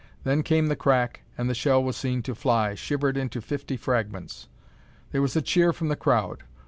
Then came the crack, and the shell was seen to fly, shivered into fifty fragments! There was a cheer from the crowd.